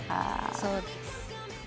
そうです。